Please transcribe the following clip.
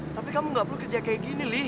tapi kamu gak perlu kerja kayak gini nih